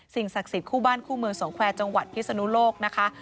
ศักดิ์สิทธิ์คู่บ้านคู่เมืองสองแควร์จังหวัดพิศนุโลกนะคะ